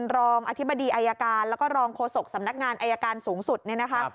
รองอธิบดีอายการแล้วก็รองโฆษกสำนักงานอายการสูงสุดเนี่ยนะคะ